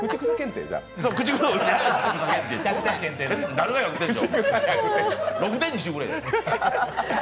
６点にしてくれ。